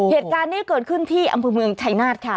เหตุการณ์นี้เกิดขึ้นที่อำเภอเมืองชัยนาธค่ะ